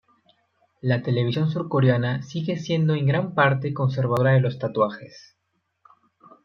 La televisión surcoreana sigue siendo en gran parte conservadora de los tatuajes.